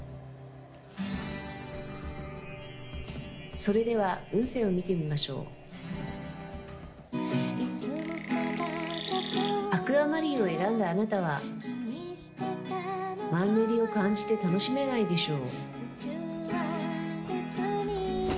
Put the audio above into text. それでは運勢を見てみましょうアクアマリンを選んだあなたはマンネリを感じて楽しめないでしょう